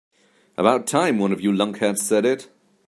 About time one of you lunkheads said it.